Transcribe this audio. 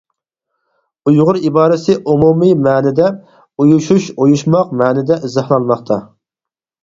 «ئۇيغۇر» ئىبارىسى ئومۇمى مەنىدە «ئۇيۇشۇش ئۇيۇشماق» مەنىدە ئىزاھلانماقتا.